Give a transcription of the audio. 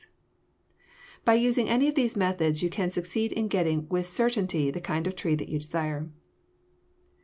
Lines show where to trim] By using any of these methods you can succeed in getting with certainty the kind of tree that you desire.